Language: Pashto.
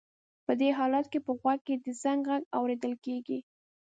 په دې حالت کې په غوږ کې د زنګ غږ اورېدل کېږي.